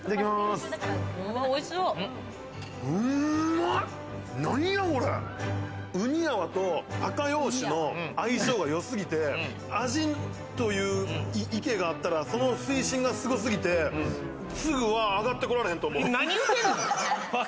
うに泡と赤洋酒の相性が良すぎて、味という池があったら、その水深がすごすぎて、すぐは上がってこられへんと思うわ。